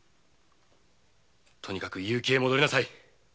とにかく結城へ戻りなさい。